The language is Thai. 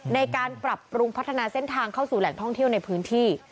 ในการปรับปรุงพัฒนาเส้นทางเข้าสู่แหล่งท่องเที่ยวในพื้นที่